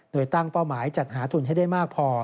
โดยตั้งเป้าหมายจัดหาทุนให้ได้มากพอ